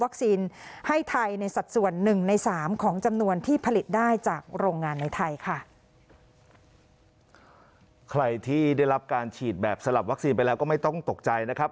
ใครที่ได้รับการฉีดแบบสลับวัคซีนไปแล้วก็ไม่ต้องตกใจนะครับ